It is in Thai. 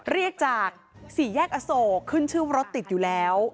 เรียกจากสี่แยกอโศกขึ้นชื่อว่ารถติดอยู่แล้ว